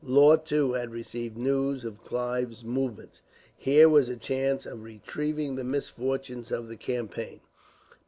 Law, too, had received news of Clive's movement. Here was a chance of retrieving the misfortunes of the campaign.